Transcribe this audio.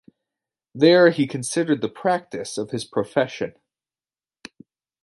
There he continued the practice of his profession.